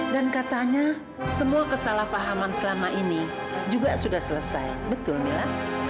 dan katanya semua kesalahfahaman selama ini juga sudah selesai betul nila